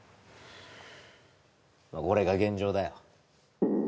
これが現状だよ